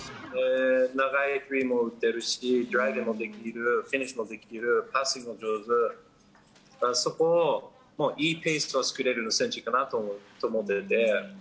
長いスリーも打てるし、ドライブもできる、フィニッシュもできる、パスも上手、そこを、いいペースを作れる選手かなと思ってて。